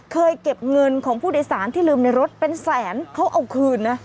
เก็บเงินของผู้โดยสารที่ลืมในรถเป็นแสนเขาเอาคืนนะ